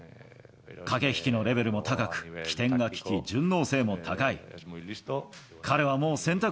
駆け引きのレベルも高く機転が利き、順応性も高い。